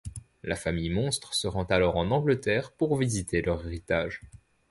La famille Monstre se rend alors en Angleterre pour visiter leur héritage.